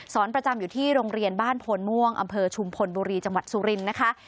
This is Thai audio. ประจำอยู่ที่โรงเรียนบ้านโพนม่วงอำเภอชุมพลบุรีจังหวัดสุรินทร์นะคะ